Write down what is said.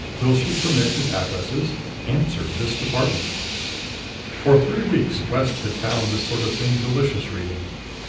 Will she permit his addresses? Answer; this department. For three weeks West had found this sort of thing delicious reading.